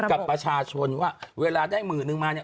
กับประชาชนว่าเวลาได้หมื่นนึงมาเนี่ย